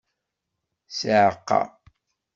Ssiɛqa!